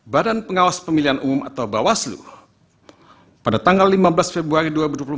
badan pengawas pemilihan umum atau bawaslu pada tanggal lima belas februari dua ribu dua puluh tiga